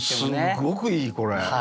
すっごくいいこれ。